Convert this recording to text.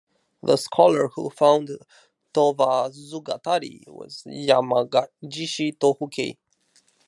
The scholar who found "Towazugatari" was Yamagishi Tohukei.